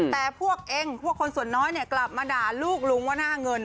แต่พวกเองพวกคนส่วนน้อยกลับมาด่าลูกลุงว่าหน้าเงิน